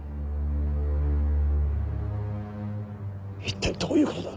一体どういうことだ？